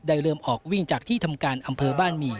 เริ่มออกวิ่งจากที่ทำการอำเภอบ้านหมี่